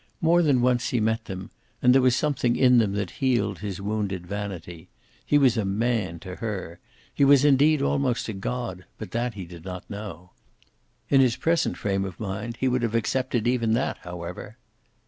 More than once he met them, and there was something in them that healed his wounded vanity. He was a man to her. He was indeed almost a god, but that he did not know. In his present frame of mind, he would have accepted even that, however.